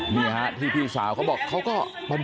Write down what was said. มีนะฮะที่พี่สาวเขาบอกเค้าก็บรรพ์คลิปไว้ตลอด